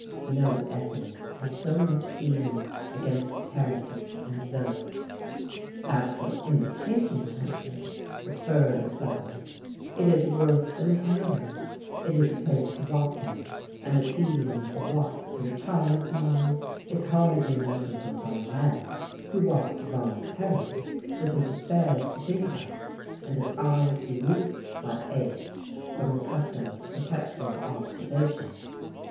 No essayist has so much feeling against terraces and villas. As for imitation country the further suburb it is worse than town; it is a place to walk in; and the tedium of a walk to a child's mind is hardly measurable by a man, who walks voluntarily, with his affairs to think about, and his eyes released, by age, from the custom of perpetual observation.